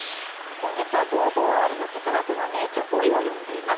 今月はボーヴォワールの哲学の名著「老い」を読んでいます。